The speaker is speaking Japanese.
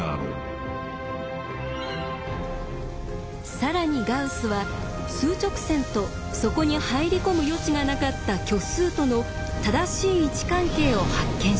更にガウスは数直線とそこに入り込む余地がなかった虚数との正しい位置関係を発見します。